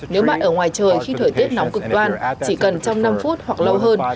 nếu bạn ở ngoài trời khi thời tiết nóng cực đoan chỉ cần trong năm phút hoặc lâu hơn